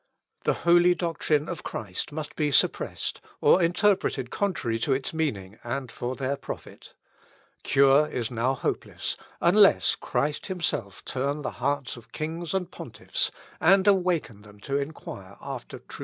The holy doctrine of Christ must be suppressed, or interpreted contrary to its meaning, and for their profit. Cure is now hopeless, unless Christ himself turn the hearts of kings and pontiffs, and awaken them to enquire after true piety."